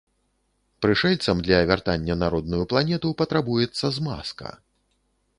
Прышэльцам для вяртання на родную планету патрабуецца змазка.